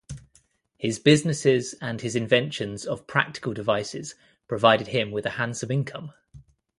His businesses and his inventions of practical devices provided him with a handsome income.